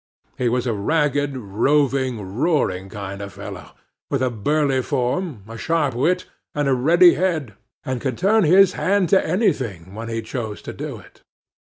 He was a ragged, roving, roaring kind of fellow, with a burly form, a sharp wit, and a ready head, and could turn his hand to anything when he chose to do it.